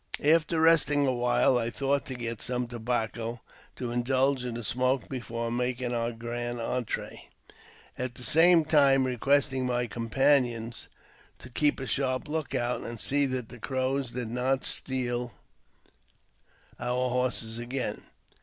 After resting a while, I thought to get some tobacco, to indulge in a smoke before making our grand entree, at the same time requesting my companions to keep a sharp look out, and see that the Crows did not steal our horses again.